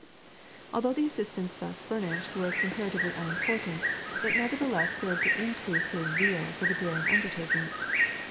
Although the assistance thus furnished was comparatively unimportant, it nevertheless served to increase his zeal for the daring undertaking.